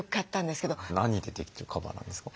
何でできてるカバーなんですか？